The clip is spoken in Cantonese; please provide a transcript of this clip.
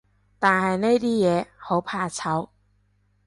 但係呢啲嘢，好怕醜